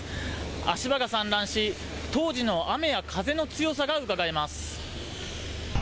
足場が散乱し、当時の雨や風の強さがうかがえます。